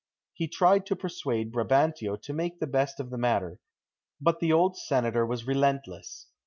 He tried to persuade Brabantio to make the best of the matter, but the old senator was relentless.